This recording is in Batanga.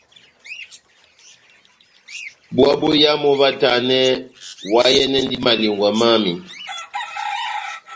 Búwa boyamu óvahtanɛ, oháyɛnɛndi malingwa mámi.